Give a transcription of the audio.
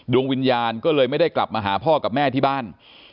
ดวงวิญญาณก็เลยไม่ได้กลับมาหาพ่อกับแม่ที่บ้าน